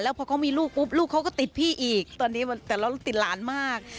พอเขามีลูกปุ๊บลูกเขาก็ติดพี่อีกตอนนี้แต่เราติดหลานมาก